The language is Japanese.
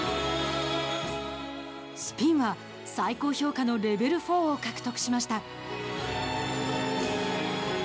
スピンは最高評価のレベル４を獲得しました。